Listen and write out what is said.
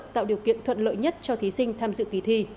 tạo điều kiện thuận lợi nhất cho thí sinh tham dự kỳ thi